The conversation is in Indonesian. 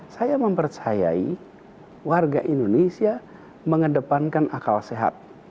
saya mempercayai warga indonesia mengedepankan akal sehat